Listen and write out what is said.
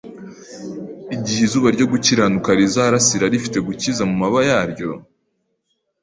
Igihe izuba ryo gukiranuka rizarasira rifite gukiza mu mababa yaryo,